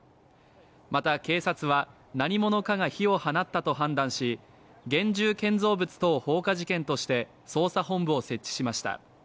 また警察は何者かが火を放ったと判断し、現住建造物等放火事件として捜査本部を設置しました。